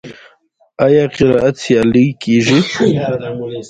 آیا قرائت سیالۍ کیږي؟